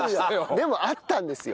でもあったんですよ。